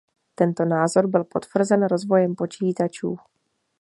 Tento názor byl potvrzen rozvojem počítačů.